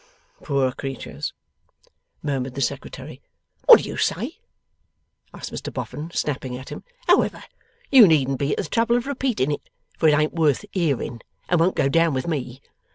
Poor creatures,' murmured the Secretary. 'What do you say?' asked Mr Boffin, snapping at him. 'However, you needn't be at the trouble of repeating it, for it ain't worth hearing, and won't go down with ME.